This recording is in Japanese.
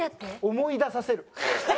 思い出させる。